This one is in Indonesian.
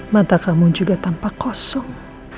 mata kamu juga tampak kosong